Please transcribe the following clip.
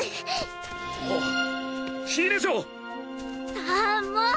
ああもう！